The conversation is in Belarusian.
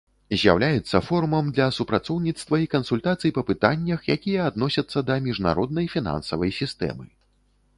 З'яўляецца форумам для супрацоўніцтва і кансультацый па пытаннях, якія адносяцца да міжнароднай фінансавай сістэмы.